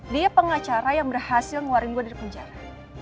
dia pengacara yang berhasil ngeluarin gue dari penjara